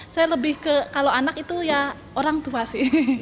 saya lebih ke kalau anak itu ya orang tua sih